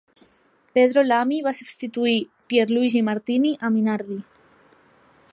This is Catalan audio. Pedro Lamy va substituir Pierluigi Martini a Minardi.